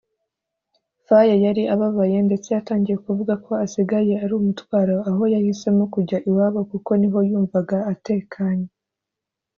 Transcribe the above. Faye yari ababaye ndetse yatangiye kuvuga ko asigaye ari umutwaro aho yahisemo kujya iwabo kuko niho yumvaga atekanye